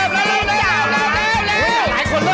ไม่มาร้าด้วย